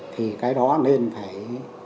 thì cái đó nên phải